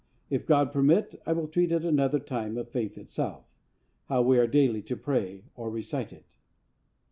If God permit, I will treat at another time of the Faith itself how we are daily to pray or recite it.